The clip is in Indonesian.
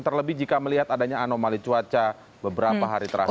terlebih jika melihat adanya anomali cuaca beberapa hari terakhir